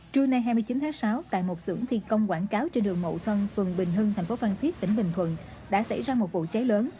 trưa nay hai mươi chín tháng sáu tại một xưởng thiên công quảng cáo trên đường mậu thân phường bình hưng tp văn thiết tỉnh bình thuận đã xảy ra một vụ cháy lớn